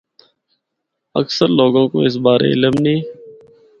اکثر لوگاں کو اس بارے علم نیں۔